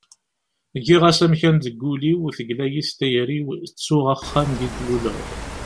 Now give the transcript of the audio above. giɣ-as amkan deg ul-iw, tegla-yi s tayri-w, ttuɣ axxam deg i d-luleɣ